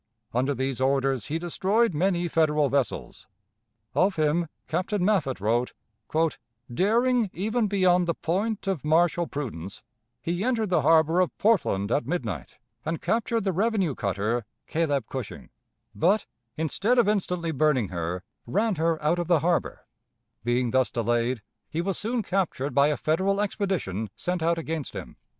Under these orders he destroyed many Federal vessels. Of him Captain Maffitt wrote: "Daring, even beyond the point of martial prudence, he entered the harbor of Portland at midnight, and captured the revenue cutter Caleb Cushing; but, instead of instantly burning her, ran her out of the harbor; being thus delayed, he was soon captured by a Federal expedition sent out against him."